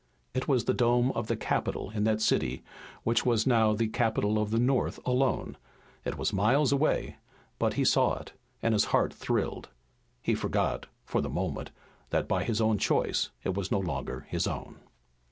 It was the dome of the Capitol in that city which was now the capital of the North alone. It was miles away, but he saw it and his heart thrilled. He forgot, for the moment, that by his own choice it was no longer his own.